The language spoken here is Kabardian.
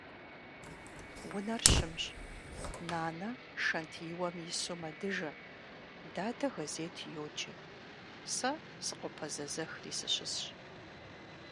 Унэр щымщ. Нанэ шэнтиуэм ису мэдыжэ, дадэ газет йоджэ, сэ сыкъопэзэзэхыри сыщысщ.